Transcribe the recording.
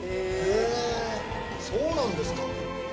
へぇそうなんですか。